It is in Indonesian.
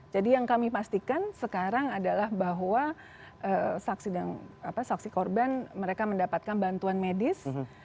jadi yang kami pastikan sekarang adalah bahwa saksi korban mereka mendapatkan bantuan medis